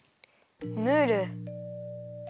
ムール。